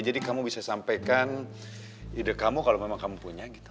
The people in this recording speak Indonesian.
jadi kamu bisa sampaikan ide kamu kalau memang kamu punya gitu